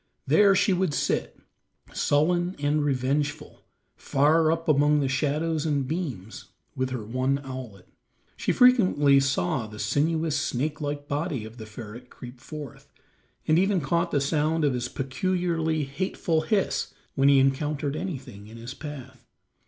There she would sit, sullen and revengeful, far up among the shadows and beams, with her one owlet. She frequently saw the sinuous, snake like body of the ferret creep forth, and even caught the sound of his peculiarly hateful hiss when he encountered anything in his path.